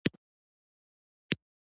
آیا اکسرې او سټي سکن ماشینونه نوي دي؟